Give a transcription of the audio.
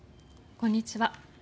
こんにちは。